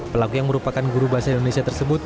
pelaku yang merupakan guru bahasa indonesia tersebut